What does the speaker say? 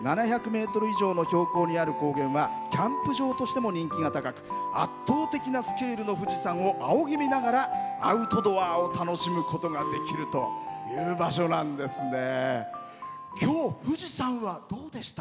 ７００ｍ以上の標高にある高原はキャンプ場としても人気が高く圧倒的なスケールの富士山を仰ぎ見ながらアウトドアを楽しむことができる場所なんですね。